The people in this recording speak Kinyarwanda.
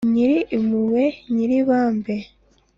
nyir’impuhwe nyir’ibambe